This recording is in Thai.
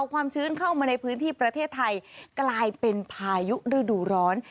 ความชื้นเข้ามาในพื้นที่ประเทศไทยกลายเป็นพายุฤดูร้อน